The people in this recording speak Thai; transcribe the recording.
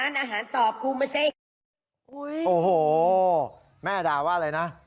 เยอะเลยนะ